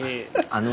あの！